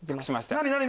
何？